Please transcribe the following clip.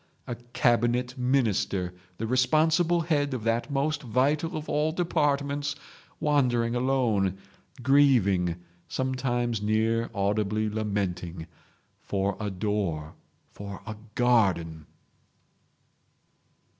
A Cabinet Minister, the responsible head of that most vital of all departments, wandering alone—grieving—sometimes near audibly lamenting—for a door, for a garden!"